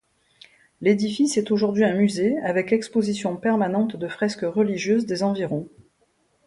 L'édifice est aujourd'hui un musée, avec exposition permanente de fresques religieuses des environs.